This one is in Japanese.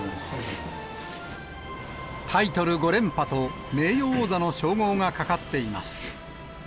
タイトル５連覇と、名誉王座の称号がかかっています。